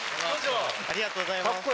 ありがとうございます。